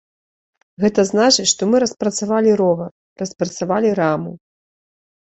Гэта значыць, што мы распрацавалі ровар, распрацавалі раму.